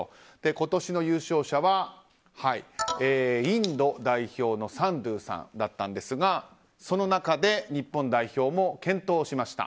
今年の優勝者はインド代表のサンドゥさんだったんですがその中で日本代表も健闘しました。